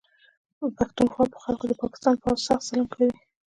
د پښتونخوا په خلکو د پاکستان پوځ سخت ظلم کوي